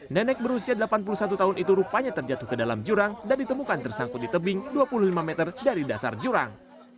nenek berusia delapan puluh satu tahun itu rupanya terjatuh ke dalam jurang dan ditemukan tersangkut di tebing dua puluh lima meter dari dasar jurang